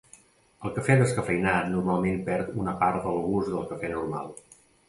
El cafè descafeïnat normalment perd una part del gust del cafè normal.